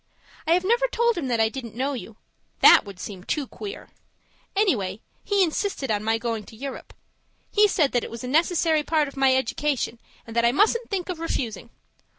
I have never told him that I didn't know you that would seem too queer! Anyway, he insisted on my going to Europe. He said that it was a necessary part of my education and that I mustn't think of refusing.